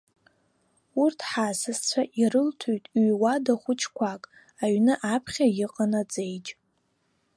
Урҭ ҳасасцәа ирылҭеит ҩ-уада хәыҷқәак, аҩны аԥхьа иҟан аҵеиџь.